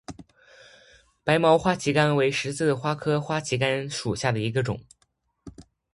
白毛花旗杆为十字花科花旗杆属下的一个种。